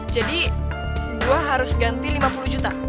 jadi gue harus ganti lima puluh juta